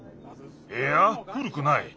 いやふるくない。